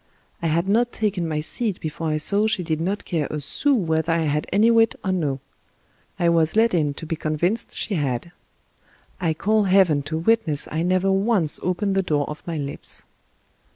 I had not taken my seat before I saw she did not care a sou whether I had any wit or no. I was let in to be convinced she had. I call Heaven to witness I never once opened the door of my lips.